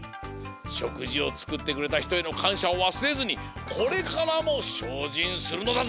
しょくじをつくってくれたひとへのかんしゃをわすれずにこれからもしょうじんするのだぞ！